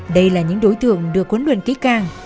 đây là những đối tượng được huấn luyện kỹ càng